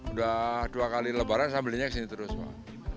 udah dua kali lebaran saya belinya kesini terus pak